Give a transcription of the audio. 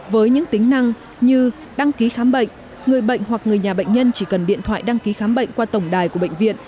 với những tính năng như đăng ký khám bệnh người bệnh hoặc người nhà bệnh nhân chỉ cần điện thoại đăng ký khám bệnh qua tổng đài của bệnh viện